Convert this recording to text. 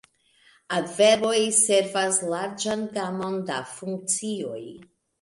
Adverboj servas larĝan gamon da funkcioj.